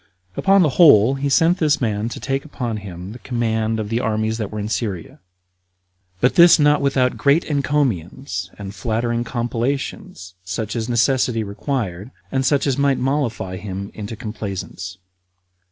Upon the whole, he sent this man to take upon him the command of the armies that were in Syria; but this not without great encomiums and flattering compellations, such as necessity required, and such as might mollify him into complaisance.